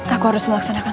aku harus melaksanakan